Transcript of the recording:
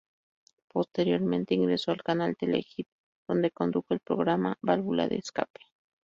Posteriormente ingresó al canal Telehit donde condujo el programa "Válvula de Escape".